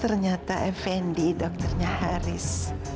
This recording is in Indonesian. ternyata fnd dokternya haris